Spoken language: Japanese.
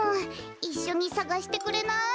いっしょにさがしてくれない？